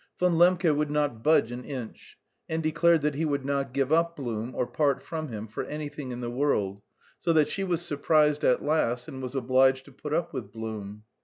Von Lembke would not budge an inch, and declared that he would not give up Blum or part from him for anything in the world, so that she was surprised at last and was obliged to put up with Blum.